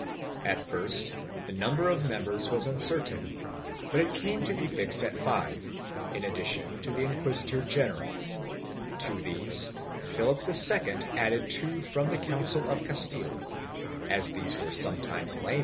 At first the number of members was uncertain, but it came to be fixed at five, in addition to the inquisitor general. To these Philip II added two from the Council of Castile; as these were sometimes laymen, 1 Llorente, Hist. crft.